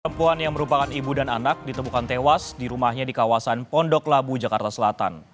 perempuan yang merupakan ibu dan anak ditemukan tewas di rumahnya di kawasan pondok labu jakarta selatan